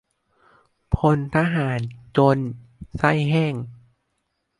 พลทหาร จน ใส้แห้ง